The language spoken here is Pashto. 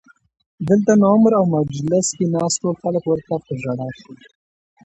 دلته نو عمر او مجلس کې ناست ټول خلک ورته په ژړا شول